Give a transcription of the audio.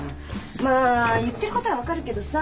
まあ言ってることは分かるけどさ